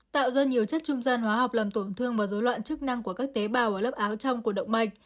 tạo ra nhiều chất trung gian hóa học làm tổn thương và dối loạn chức năng của các tế bào ở lớp áo trong cổ động mạch